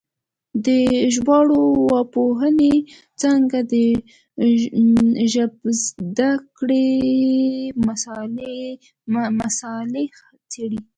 د ژبارواپوهنې څانګه د ژبزده کړې مسالې څېړي